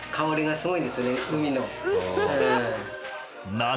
すごい！